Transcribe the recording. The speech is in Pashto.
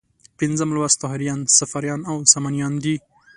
پنځم لوست طاهریان، صفاریان او سامانیان دي.